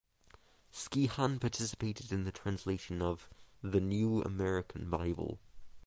Skehan participated in the translation of the "New American Bible".